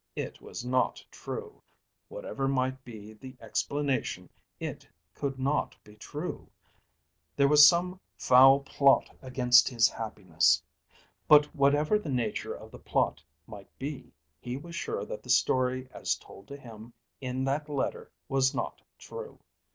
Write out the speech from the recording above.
It was not true. Whatever might be the explanation, it could not be true. There was some foul plot against his happiness; but whatever the nature of the plot might be, he was sure that the story as told to him in that letter was not true.